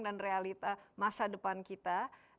dan realitas masa depan kita